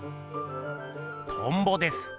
トンボです。